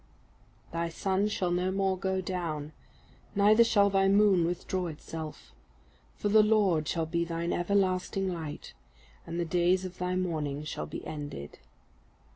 _ "Thy sun shall no more go down; neither shall thy moon withdraw itself: for the Lord shall be thine everlasting light, and the days of thy mourning shall be ended."